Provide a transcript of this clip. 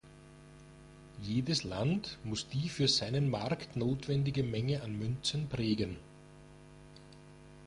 Jedes Land muss die für seinen Markt notwendige Menge an Münzen prägen.